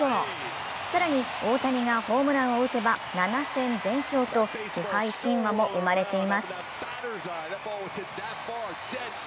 更に、大谷がホームランを打てば７戦全勝と不敗神話も生まれています。